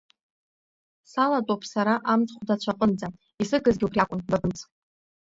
Салатәоуп сара амц хәдацәаҟынӡа, исыгызгьы убри акәын, ба бымц!